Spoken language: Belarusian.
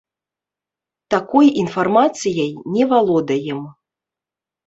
Такой інфармацыяй не валодаем.